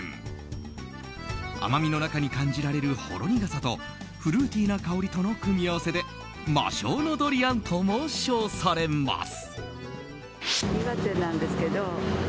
甘みの中に感じられるほろ苦さとフルーティーな香りとの組み合わせで魔性のドリアンとも称されます。